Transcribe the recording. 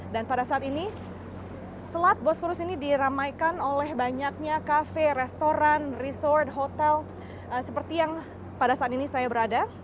dan pada saat ini sanatbosforus ini diramaikan oleh banyaknya kafe restoran resort hotel seperti yang pada saat ini saya berada